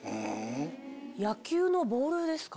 野球のボールですか？